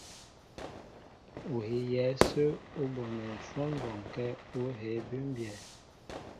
Ú hiyɛ ásə̄ ú bonɛ́ ǹshwɔ́n bɔnkɛ́ ú hēē bʉ́mbyɛ́.